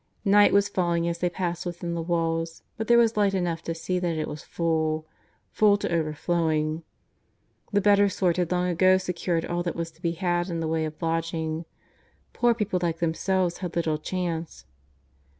Night was falling as they passed within the walls, but there was light enough to see that it was full, full to overflowing. The better sort had long ago secured all that was to be had in the way of lodging. Poor people like themselves had little chance.